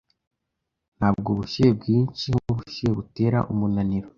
Ntabwo ubushyuhe bwinshi nkubushuhe butera umunaniro.